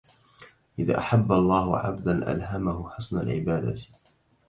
إذا أحبّ الله عبداً ألهمه حسن العبادة.